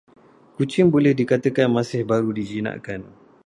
Kucing boleh dikatakan masih baru dijinakkan.